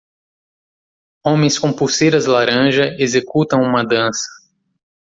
Homens com pulseiras laranja executam uma dança.